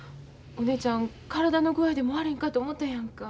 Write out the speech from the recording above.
お姉ちゃん体の具合でも悪いのかと思たやんか。